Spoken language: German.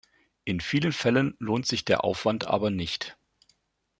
In vielen Fällen lohnt sich der Aufwand aber nicht.